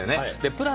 プラス